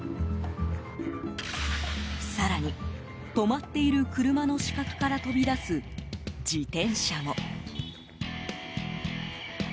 更に、止まっている車の死角から飛び出す自転車も。